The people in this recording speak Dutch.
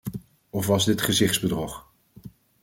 Of was dit gezichtsbedrog?